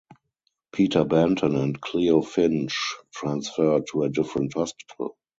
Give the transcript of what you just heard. Peter Benton and Cleo Finch transfer to a different hospital.